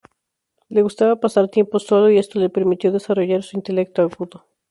Le gustaba pasar tiempo solo y esto le permitió desarrollar su intelecto agudo.